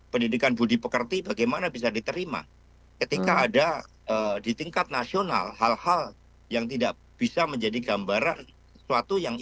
pendidikan budi pekerti bagaimana bisa diterima ketika ada di tingkat nasional hal hal yang tidak bisa menjadi gambaran